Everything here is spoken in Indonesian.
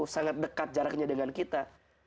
sangat dekat jaraknya dengan kita